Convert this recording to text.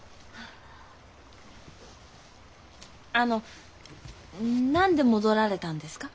あの何で戻られたんですか？